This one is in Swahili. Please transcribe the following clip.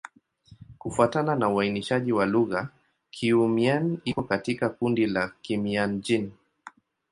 Kufuatana na uainishaji wa lugha, Kiiu-Mien iko katika kundi la Kimian-Jin.